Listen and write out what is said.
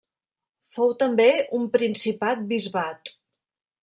Fou també un principat-bisbat.